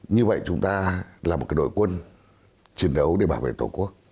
như vậy chúng ta là một đội quân chiến đấu để bảo vệ tổ quốc